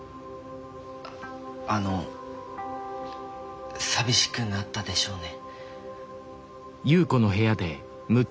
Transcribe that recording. ああの寂しくなったでしょうね。